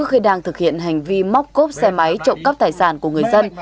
khi đang thực hiện hành vi móc cốp xe máy trộm cắp tài sản của người dân